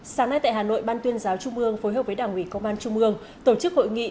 sáng nay tại hà nội ban tuyên giáo trung ương phối hợp với đảng ủy công an trung ương tổ chức hội nghị